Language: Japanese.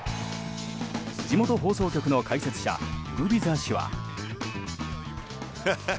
地元放送局の解説者グビザ氏は。